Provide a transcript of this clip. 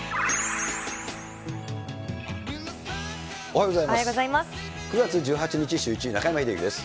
おはようございます。